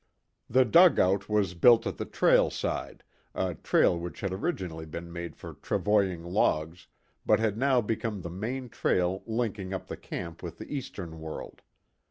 The dugout was built at the trail side, a trail which had originally been made for travoying logs, but had now become the main trail linking up the camp with the eastern world.